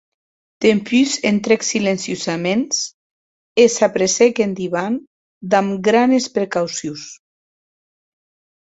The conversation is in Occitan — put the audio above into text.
Dempús entrèc silenciosaments e s’apressèc en divan damb granes precaucions.